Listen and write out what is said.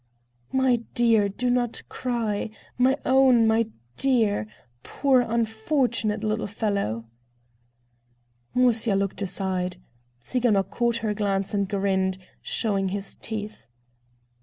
"My dear, do not cry! My own! my dear! Poor, unfortunate little fellow!" Musya looked aside. Tsiganok caught her glance and grinned, showing his teeth.